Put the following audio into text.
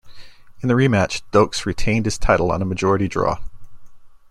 In the rematch, Dokes retained his title on a majority draw.